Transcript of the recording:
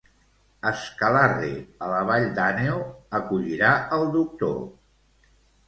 Escalarre, a la vall d'Àneu, acollirà el doctor.